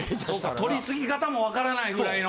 取り次ぎ方もわからないぐらいの。